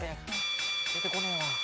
出てこねえわ。